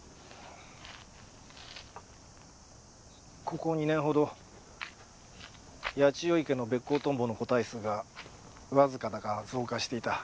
ここ２年ほど八千代池のベッコウトンボの個体数がわずかだが増加していた。